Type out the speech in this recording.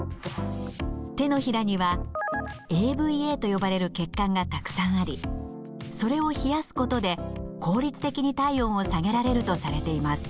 手のひらにはＡＶＡと呼ばれる血管がたくさんありそれを冷やすことで効率的に体温を下げられるとされています。